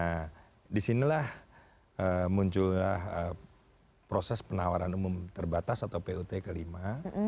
nah disinilah muncullah proses penawaran umum terbatas atau put kelima